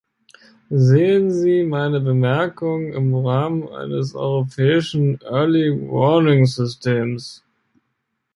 Sehen Sie meine Bemerkung im Rahmen eines europäischen early warning-Systems.